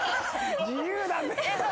自由だぜ！